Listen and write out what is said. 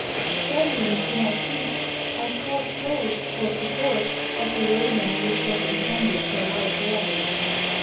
Scrambling to my feet I caught hold, for support, of the railing which was intended for light luggage.